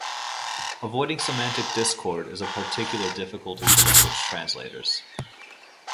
Avoiding semantic discord is a particular difficulty for language translators.